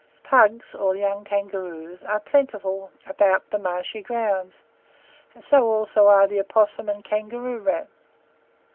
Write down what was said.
Pugs, or young kangaroos, are plentiful about the marshy grounds; so are also the opossum and kangaroo rat.